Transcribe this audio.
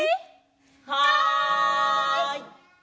はい！